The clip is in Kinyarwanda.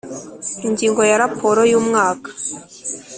Ingingo ya Raporo y umwaka